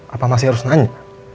apa masih harus nanya